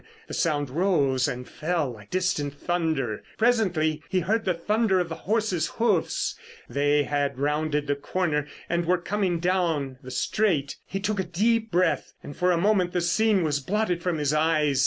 The sound rose and fell like distant thunder. Presently he heard the thunder of the horses' hoofs. They had rounded the corner and were coming down the straight. He took a deep breath, and for a moment the scene was blotted from his eyes.